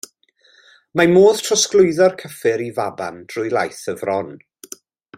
Mae modd trosglwyddo'r cyffur i faban trwy laeth y fron.